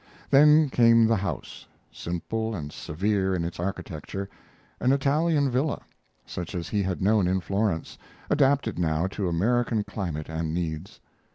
Then came the house simple and severe in its architecture an Italian villa, such as he had known in Florence, adapted now to American climate and needs.